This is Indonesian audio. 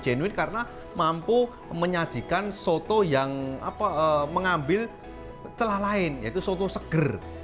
genuin karena mampu menyajikan soto yang mengambil celah lain yaitu soto seger